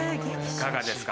いかがですか？